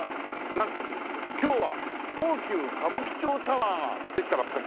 なんと今日は東急歌舞伎町タワーができたばっかし？